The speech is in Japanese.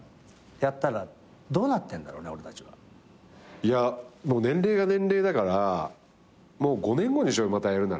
いや年齢が年齢だからもう５年後でしょまたやるなら。